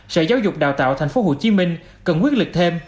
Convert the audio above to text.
sở giáo dục đào tạo tp hcm cần quyết lực thêm